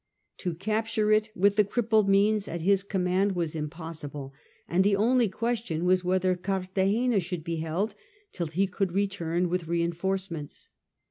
To capture it with the crippled means at his command was impossible, and the only question was whether Cartagena should be held till he could return with reinforcements.